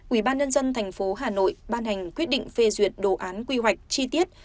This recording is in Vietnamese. ủy ban nhân dân thành phố hà nội ban hành quyết định phê duyệt đồ án quy hoạch chi tiết